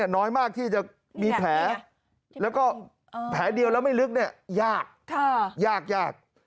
น้อยมากที่จะมีแผลและก็แผลเดียวแล้วไม่ลึกยาก